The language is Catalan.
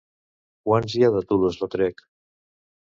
Quants hi ha de Toulouse-Lautrec?